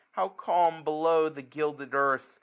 how calm below The gilded earth